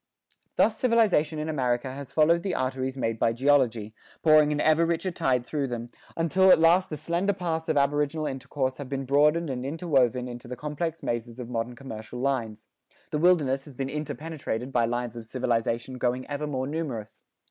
Thus civilization in America has followed the arteries made by geology, pouring an ever richer tide through them, until at last the slender paths of aboriginal intercourse have been broadened and interwoven into the complex mazes of modern commercial lines; the wilderness has been interpenetrated by lines of civilization growing ever more numerous.